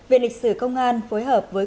viện lịch sử công an phối hợp với